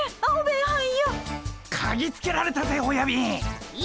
かぎつけられたぜおやびん。